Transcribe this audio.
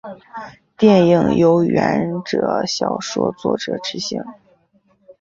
电影由原着小说作者执导。